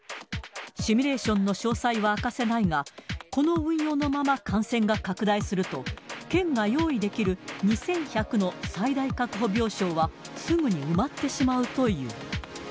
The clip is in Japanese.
シミュレーションの詳細は明かせないが、この運用のまま感染が拡大すると、県が用意できる２１００の最大確保病床はすぐに埋まってしまうという。